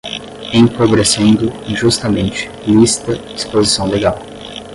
empobrecendo, injustamente, lícita, disposição legal